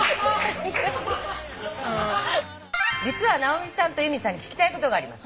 「実は直美さんと由美さんに聞きたいことがあります」